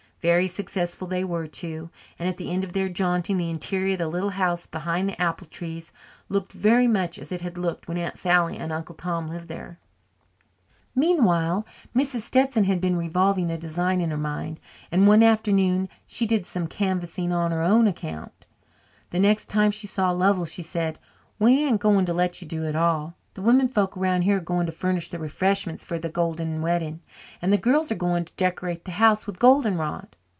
Very successful they were too, and at the end of their jaunting the interior of the little house behind the apple trees looked very much as it had looked when Aunt Sally and Uncle Tom lived there. Meanwhile, Mrs. Stetson had been revolving a design in her mind, and one afternoon she did some canvassing on her own account. The next time she saw Lovell she said: "We ain't going to let you do it all. The women folks around here are going to furnish the refreshments for the golden wedding and the girls are going to decorate the house with golden rod."